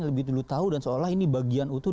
lebih dulu tahu dan seolah ini bagian utuh